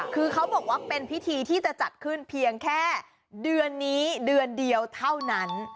คือเขาบอกว่าเป็นพิธีที่จะจัดขึ้นเพียงแค่เดือนนี้เดือนเดียวเท่านั้น